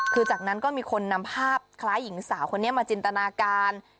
คือจากนั้นก็มีคนนำภาพคล้ายหญิงสาวคนนี้มาจินตนาการ